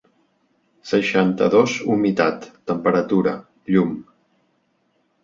Seixanta-dos humitat, temperatura, llum...